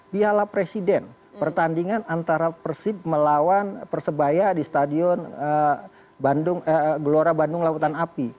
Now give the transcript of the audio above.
piala presiden pertandingan antara persib melawan persebaya di stadion gelora bandung lautan api